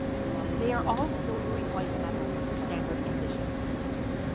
They all are silvery-white metals under standard conditions.